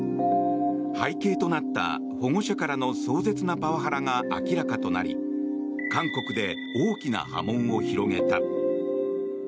背景となった保護者からの壮絶なパワハラが明らかとなり韓国で大きな波紋を広げた。